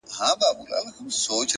اخلاص د کردار ریښتینی وزن دی.!